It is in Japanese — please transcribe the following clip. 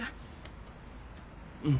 うん。